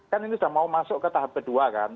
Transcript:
kan ini sudah mau masuk ke tahap kedua kan